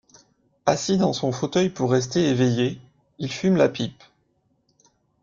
Assis dans son fauteuil pour rester éveillé, il fume la pipe.